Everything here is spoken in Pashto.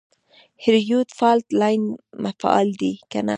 هریرود فالټ لاین فعال دی که نه؟